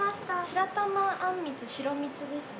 白玉あんみつ白蜜ですね。